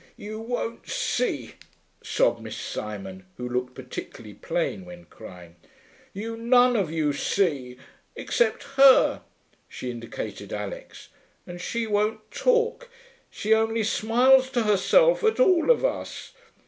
'You won't see,' sobbed Miss Simon, who looked particularly plain when crying. 'You none of you see. Except her' she indicated Alix 'and she won't talk; she only smiles to herself at all of us.